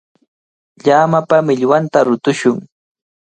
Llamapa millwanta rutushun.